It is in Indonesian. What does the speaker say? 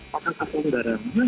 maka pasang darahnya